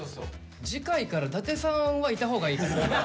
次回からダテさんはいたほうがいいかな。